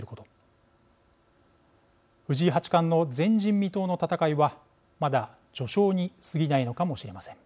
藤井八冠の前人未到の戦いはまだ序章にすぎないのかもしれません。